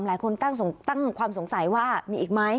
หลายคนตั้งความสงสัยว่ามีอีกไหม